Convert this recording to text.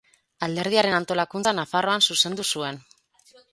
Alderdiaren antolakuntza Nafarroan zuzendu zuen.